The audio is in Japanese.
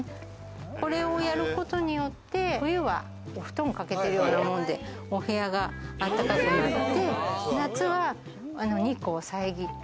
これをやることによって、冬はお布団かけてるようなもんで、お部屋があったかくなって、夏は日光を遮って。